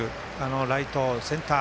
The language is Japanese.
ライト、センター